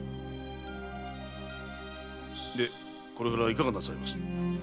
でこれからいかがなさいます？